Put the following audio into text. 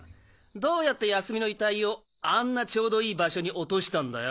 どやって泰美の遺体をあんなちょうどいい場所に落としたんだよ！